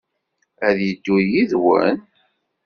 Ad yeddu yid-wen?